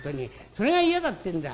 それが嫌だってえんだ。